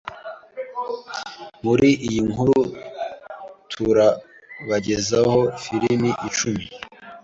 Muri iyi nkuru, turabagezaho filimi icumi